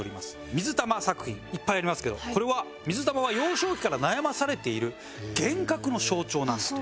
水玉作品いっぱいありますけどこれは水玉は幼少期から悩まされている幻覚の象徴なんだと。